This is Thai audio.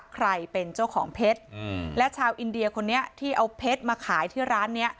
ใครเป็นเจ้าของเพชรและชาวอินเดียคนนี้ที่เอาเพชรมาขายที่ร้านนี้